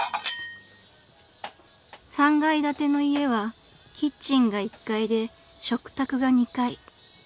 ［３階建ての家はキッチンが１階で食卓が２階］